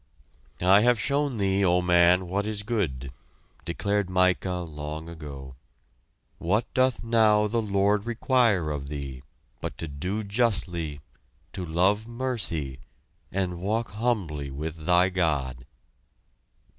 "I have shown thee, O man, what is good!" declared Micah long ago. "What doth now the Lord require of thee, but to do justly, to love mercy and walk humbly with thy God!"